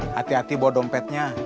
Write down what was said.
hati hati bawa dompetnya